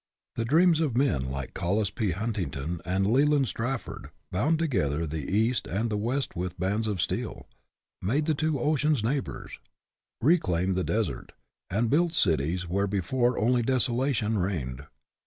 The dreams of men like Collis P. Huntington and Leland Stanford bound together the East and the West with bands of steel, made the two oceans neighbors, reclaimed the desert, and built cities where before only desolation reigned.